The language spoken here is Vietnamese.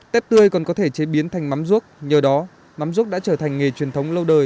tép tươi còn có thể chế biến thành mắm rút nhờ đó mắm rút đã trở thành nghề truyền thống lâu đời